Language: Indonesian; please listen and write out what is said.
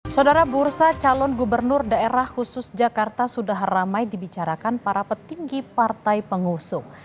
saudara bursa calon gubernur daerah khusus jakarta sudah ramai dibicarakan para petinggi partai pengusung